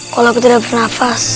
kalau aku tidak bernafas